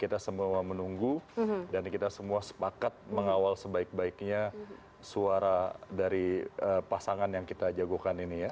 kita semua menunggu dan kita semua sepakat mengawal sebaik baiknya suara dari pasangan yang kita jagokan ini ya